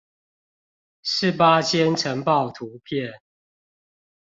是八仙塵爆圖片